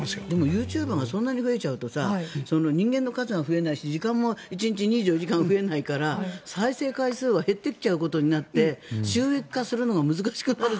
ユーチューバーがそんなに増えると人間の数は増えないから時間も１日２４時間で増えないから再生回数は減っていっちゃうことになって収益化するのが難しくなる。